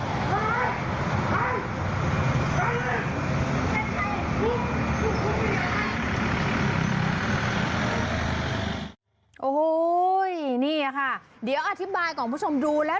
โอ้โหนี่ค่ะเดี๋ยวอธิบายของคุณผู้ชมดูแล้ว